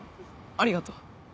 ありがとう。